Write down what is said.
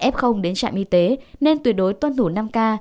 f đến trạm y tế nên tuyệt đối tuân thủ năm k